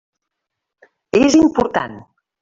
És important.